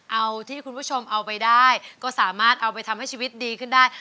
เอาที่คุณผู้ชมเอาไปได้ก็สามารถเอาไปทำให้ชีวิตดีขึ้นได้